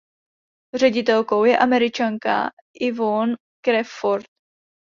Ředitelkou je Američanka Yvonne Crawford.